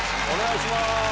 お願いします。